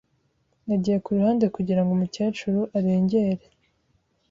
Nagiye ku ruhande kugirango umukecuru arengere.